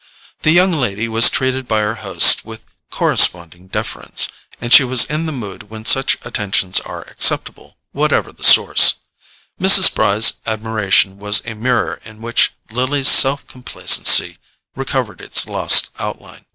The young lady was treated by her hosts with corresponding deference; and she was in the mood when such attentions are acceptable, whatever their source. Mrs. Bry's admiration was a mirror in which Lily's self complacency recovered its lost outline.